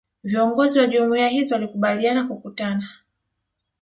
Viongozi wa Jumuiya hizo walikubaliana kukutana